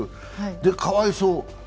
で、かわいそう。